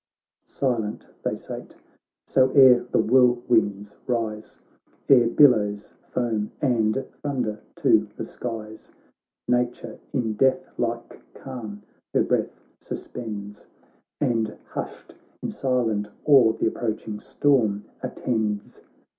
BOOK II 15 Silent they sate— so ere the whirlwinds rise, Ere billows foam and thunder to the skies, Nature in death like calm her breath sus pends, And hushed in silent awe th' approaching storm attends.